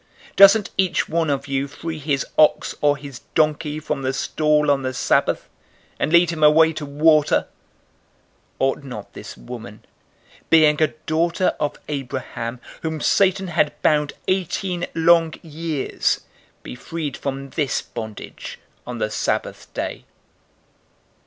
Doesn't each one of you free his ox or his donkey from the stall on the Sabbath, and lead him away to water? 013:016 Ought not this woman, being a daughter of Abraham, whom Satan had bound eighteen long years, be freed from this bondage on the Sabbath day?"